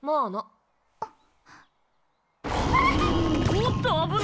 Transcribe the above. おっと危ない！